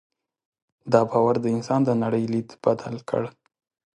دا باور د انسان د نړۍ لید بدل کړ.